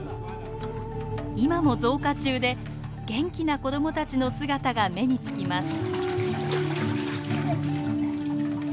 今も増加中で元気な子供たちの姿が目につきます。